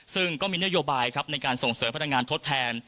ซึ่งก็มีนโยบายครับในการส่งเสริมพลังงานทดแทน